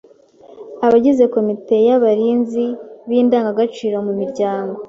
Abagize komite y’abarinzi b’indangagaciro mu miryango